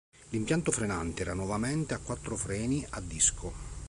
L'impianto frenante era nuovamente a quattro freni a disco.